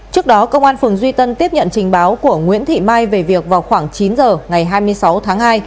trước đó công an phường duy tân tiếp nhận trình báo của nguyễn thị mai về việc vào khoảng chín giờ ngày hai mươi sáu tháng hai